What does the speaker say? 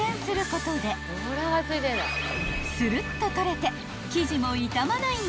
［するっと取れて］